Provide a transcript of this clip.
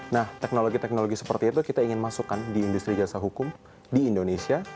nah teknologi teknologi seperti itu kita ingin masukkan di industri jasa hukum di indonesia